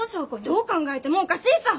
どう考えてもおかしいさ。